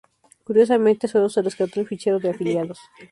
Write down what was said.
Curiosamente, sólo se rescató el fichero de afiliados.